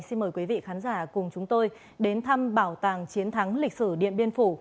xin mời quý vị khán giả cùng chúng tôi đến thăm bảo tàng chiến thắng lịch sử điện biên phủ